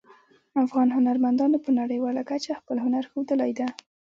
افغان هنرمندانو په نړیواله کچه خپل هنر ښودلی ده